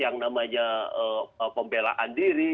yang namanya pembelaan diri